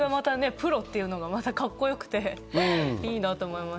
プロっていうのがかっこよくて、いいなと思います。